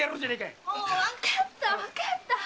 もうわかったわかった！